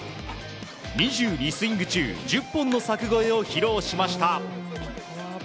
２２スイング中１０本の柵越えを披露しました。